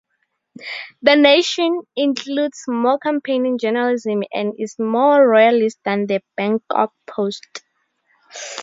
"The Nation" includes more campaigning journalism and is more royalist than the "Bangkok Post".